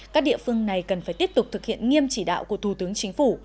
các địa phương này cần phải tiếp tục thực hiện nghiêm chỉ đạo của thủ tướng chính phủ